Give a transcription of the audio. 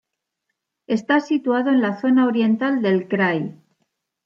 Está situado en la zona oriental del krai.